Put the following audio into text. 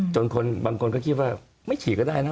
คนบางคนก็คิดว่าไม่ฉีดก็ได้นะ